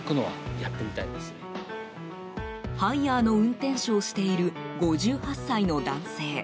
ハイヤーの運転手をしている５８歳の男性。